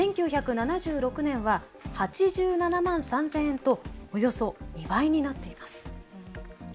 １９７６年は８７万３，０００円とおよそ２倍になっています。